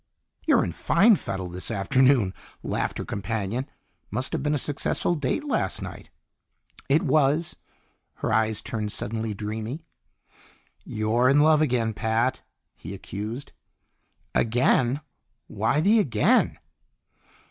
"You're in fine fettle this afternoon!" laughed her companion. "Must've been a successful date last night." "It was." Her eyes turned suddenly dreamy. "You're in love again, Pat!" he accused. "Again? Why the 'again'?"